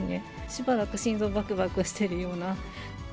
しばらく心臓ばくばくしてるような。